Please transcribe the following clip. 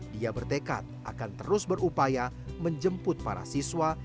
dia bertekad akan terus berupaya menjemput para siswa